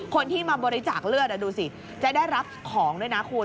คนที่มาบริจาคเลือดดูสิจะได้รับของด้วยนะคุณ